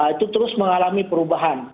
itu terus mengalami perubahan